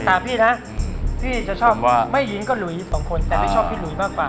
ถ้าปรึกษาพี่นะพี่จะชอบไม่ยิ้มก็หลุย๒คนแต่ไม่ชอบพี่หลุยมากกว่า